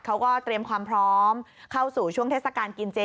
เขาก็เตรียมความพร้อมเข้าสู่ช่วงเทศกาลกินเจ